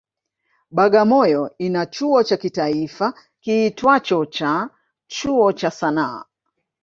Bagamoyo ina chuo cha kitaifa kiitwacho cha Chuo cha sanaa